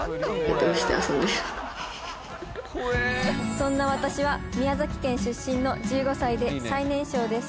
「そんな私は宮崎県出身の１５歳で最年少です」